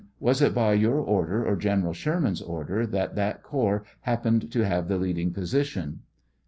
Was it by your order or General Sherman's order that that corps happened to have the leading position